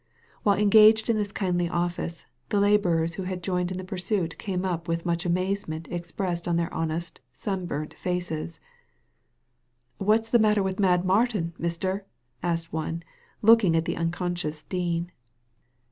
While engaged in this kindly office, the labourers who had joined in the pursuit came up with much amazement expressed on their honest, sunburnt faces. "What's the matter with Mad Martin, mister?" asked one, looking at the unconscious Dean.